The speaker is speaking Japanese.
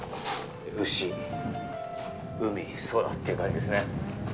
牛、海、空っていう感じですね。